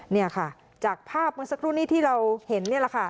นี่ค่ะจากภาพเมื่อสักครู่นี้ที่เราเห็นนี่แหละค่ะ